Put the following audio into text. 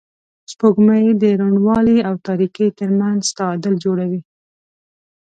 سپوږمۍ د روڼوالي او تاریکۍ تر منځ تعادل جوړوي